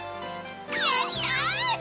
やったの！